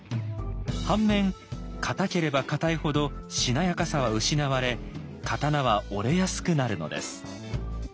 反面硬ければ硬いほどしなやかさは失われ刀は折れやすくなるのです。